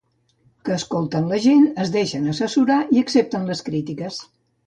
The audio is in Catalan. Que escolten la gent, es deixen assessorar i accepten les crítiques.